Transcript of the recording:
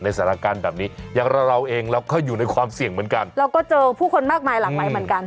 สถานการณ์แบบนี้อย่างเราเราเองเราก็อยู่ในความเสี่ยงเหมือนกันเราก็เจอผู้คนมากมายหลากหลายเหมือนกัน